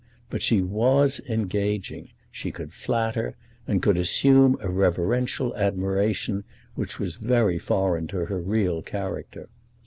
But she was engaging; she could flatter; and could assume a reverential admiration which was very foreign to her real character.